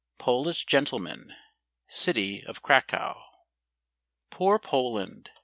Polish Gentlemen.—City of Cracow. Poor Poland!